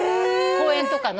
公園とかの。